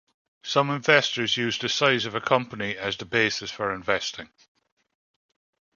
Some investors use the size of a company as the basis for investing.